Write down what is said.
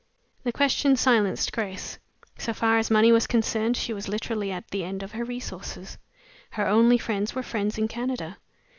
The question silenced Grace. So far as money was concerned, she was literally at the end of her resources. Her only friends were friends in Canada.